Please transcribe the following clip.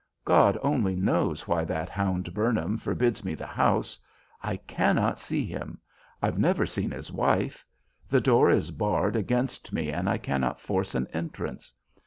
God only knows why that hound Burnham forbids me the house. I cannot see him. I've never seen his wife. The door is barred against me and I cannot force an entrance.